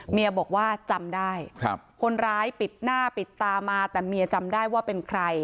เมียบอกว่าจำได้คนร้ายปิดหน้าปิดตามาแต่เมียจำได้ว่าเป็นใคร